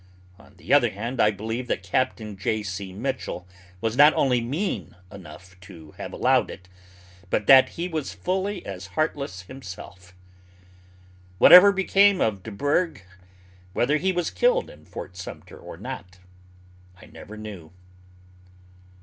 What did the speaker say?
On the other hand I believe that Capt. J.C. Mitchell was not only mean enough to have allowed it, but that he was fully as heartless himself. Whatever became of Deburgh, whether he was killed in Fort Sumter or not, I never knew.